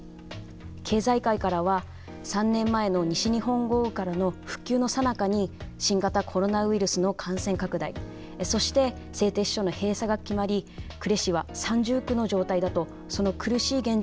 経済界からは３年前の西日本豪雨からの復旧のさなかに新型コロナウイルスの感染拡大そして製鉄所の閉鎖が決まり呉市は三重苦の状態だとその苦しい現状を語っていました。